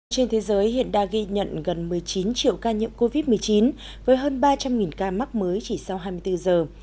trên thế giới hiện đã ghi nhận gần một mươi chín triệu ca nhiễm covid một mươi chín với hơn ba trăm linh ca mắc mới chỉ sau hai mươi bốn giờ